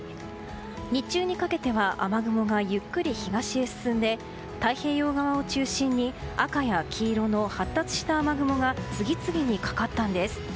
日中にかけては雨雲がゆっくり東へ進んで太平洋側を中心に赤や黄色の発達した雨雲が次々にかかったんです。